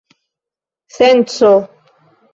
senco